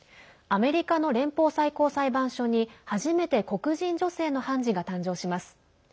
アメリカの連邦最高裁判所に初めて黒人女性の判事が誕生します。